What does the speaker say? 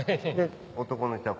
男の人は。